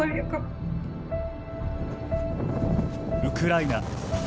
ウクライナ